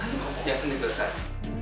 休んでください。